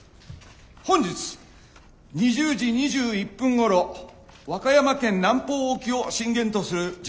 本日２０時２１分ごろ和歌山県南方沖を震源とする地震が発生しました。